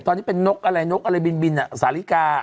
ตอนนี้เป็นนกอะไรนกอะไรบินบินสาฬิกา